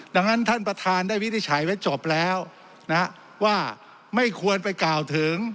ดังนั้นท่านประธานได้วินิจฉัยไว้จบแล้วนะว่าไม่ควรไปกล่าวถึง